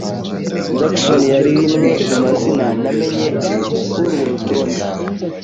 Jackson yari rimwe mu mazina namenye kuri urwo rutonde.